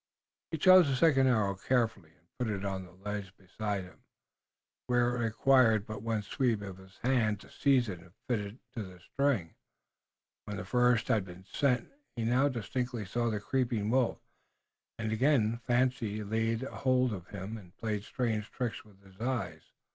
He chose a second arrow carefully and put it on the ledge beside him, where it required but one sweep of his hand to seize it and fit it to the string, when the first had been sent. He now distinctly saw the creeping wolf, and again fancy laid hold of him and played strange tricks with his eyes.